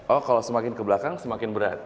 oh kalau semakin ke belakang semakin berat